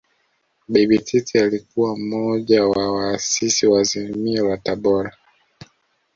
Bibi Titi alikuwa mmoja wa waasisi wa Azimio la Tabora